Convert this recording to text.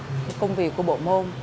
tham gia các công việc của bộ môn